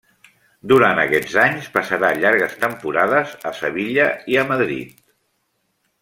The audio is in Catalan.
Durant aquests anys passarà llargues temporades a Sevilla i a Madrid.